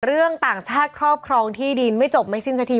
เรื่องต่างชาติครอบครองที่ดินไม่จบไม่สิ้นสักที